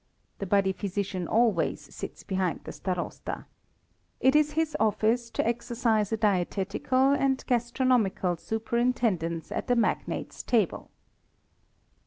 The body physician always sits behind the Starosta. It is his office to exercise a dietetical and gastronomical superintendence at the magnate's table.